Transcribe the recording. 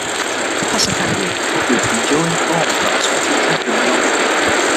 The passacaglia proved an enduring form throughout the twentieth century and beyond.